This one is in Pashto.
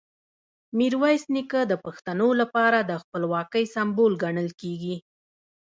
میرویس نیکه د پښتنو لپاره د خپلواکۍ سمبول ګڼل کېږي.